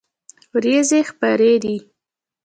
ورېځې خپری دي